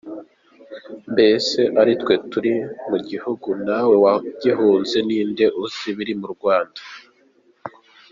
Mbese ari twe turi mu gihugu nawe wagihunze ninde uzi ibiri mu Rwanda ?